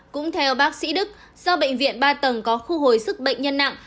cũng theo bác sĩ đức do bệnh viện ba tầng có thu hồi sức bệnh nhân nặng